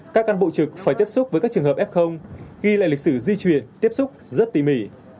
các cán bộ trực phải tiếp xúc với các trường hợp f ghi lại lịch sử di chuyển tiếp xúc rất tỉ mỉ